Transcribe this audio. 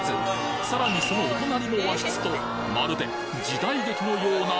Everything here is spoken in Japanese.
さらにそのお隣りも和室とまるで時代劇のような間取り